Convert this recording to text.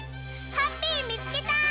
ハッピーみつけた！